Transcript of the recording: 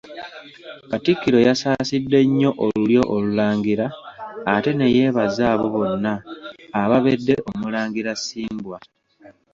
Katikkiro yasaasidde nnyo olulyo Olulangira ate neyeebaza abo bonna ababedde Omulangira Ssimbwa.